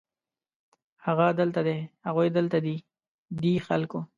هغه دلته دی، هغوی دلته دي ، دې خلکو